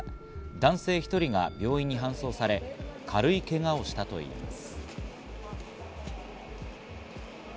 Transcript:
男性１人が病院に搬送され、軽いけがをしたといいます。